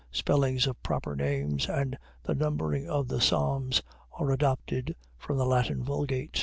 Spellings of proper names and the numbering of the Psalms are adopted from the Latin Vulgate.